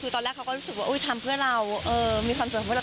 คือตอนแรกเขาก็รู้สึกว่าทำเพื่อเรามีความสุขของพวกเรา